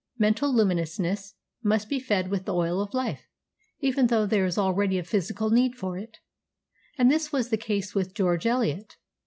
Mental luminousness must be fed with the oil of life, even though there is already a physical need for it.' And this was the case with George Eliot.